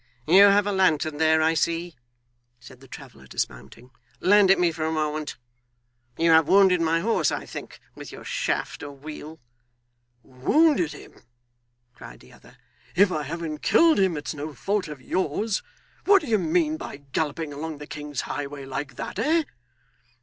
'You have a lantern there, I see,' said the traveller dismounting, 'lend it me for a moment. You have wounded my horse, I think, with your shaft or wheel.' 'Wounded him!' cried the other, 'if I haven't killed him, it's no fault of yours. What do you mean by galloping along the king's highway like that, eh?